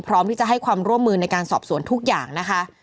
พร้อมที่จะให้ความร่วมมือในการสอบสวนทุกอย่างนะคะ